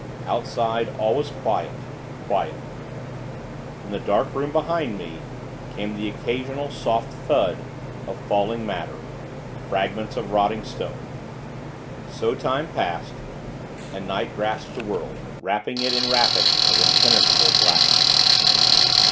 Outside, all was quiet quiet! From the dark room behind me, came the occasional, soft thud of falling matter fragments of rotting stone. So time passed, and night grasped the world, wrapping it in wrappings of impenetrable blackness.